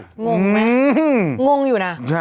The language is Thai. งงไหมงงอยู่นะ